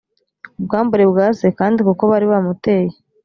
ubwambure bwa se kandi kuko bari bamuteye